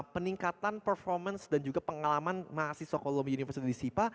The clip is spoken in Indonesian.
peningkatan performance dan juga pengalaman mahasiswa kolom universitas di sipa